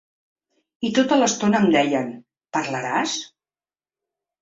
I tota l’estona em deien: Parlaràs?